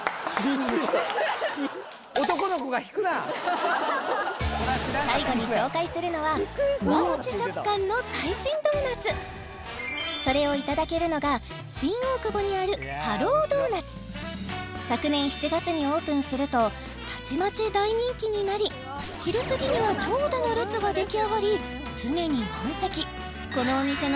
お最後に紹介するのはそれをいただけるのが新大久保にある昨年７月にオープンするとたちまち大人気になり昼すぎには長蛇の列が出来上がり常に満席